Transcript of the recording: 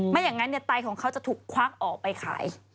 ไม่อย่างนั้นไตของเขาจะถูกควักออกไปขาย